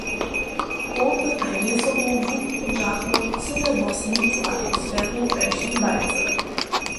Kołpy na jězoru wuprudźachu cyle wosebitu atmosferu, kaž w bajce.